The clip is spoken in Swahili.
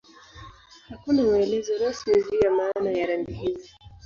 Hakuna maelezo rasmi juu ya maana ya rangi hizi.